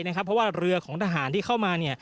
เพราะว่าเรือของทหารที่เข้ามา